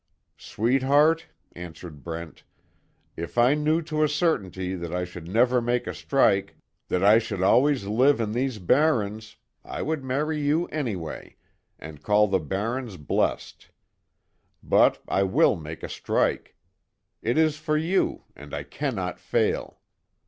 "Sweetheart," answered Brent, "If I knew to a certainty that I should never make a strike that I should always live in these barrens, I would marry you anyway and call the barrens blessed. But, I will make a strike! It is for you and I cannot fail!